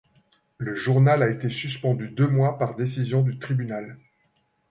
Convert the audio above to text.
Le journal a été suspendu deux mois par décision du tribunal.